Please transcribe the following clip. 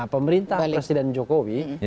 pemerintah presiden jokowi